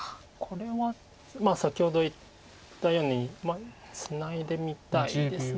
これは先ほど言ったようにツナいでみたいです